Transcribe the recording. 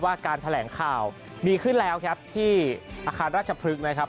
การแถลงข่าวมีขึ้นแล้วครับที่อาคารราชพฤกษ์นะครับ